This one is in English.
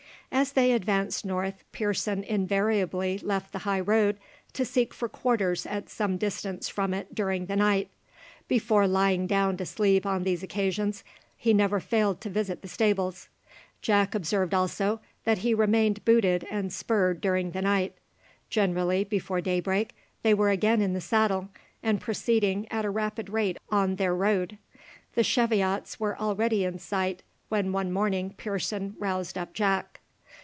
As they advanced north, Pearson invariably left the high road to seek for quarters at some distance from it during the night. Before lying down to sleep on these occasions, he never failed to visit the stables. Jack observed also that he remained booted and spurred during the night. Generally before daybreak they were again in the saddle, and proceeding at a rapid rate on their road. The Cheviots were already in sight, when one morning Pearson roused up Jack.